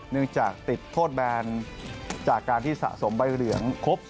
เนื่องจากติดโทษแบนจากการที่สะสมใบเหลืองครบ